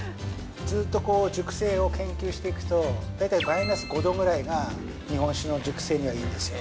◆ずっと熟成を研究していくと大体マイナス５度ぐらいが日本酒の熟成にはいいんですよ。